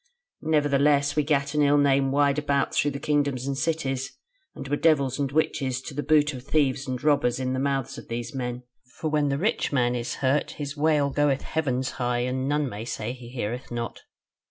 Nevertheless we gat an ill name wide about through the kingdoms and cities; and were devils and witches to the boot of thieves and robbers in the mouths of these men; for when the rich man is hurt his wail goeth heavens high, and none may say he heareth not.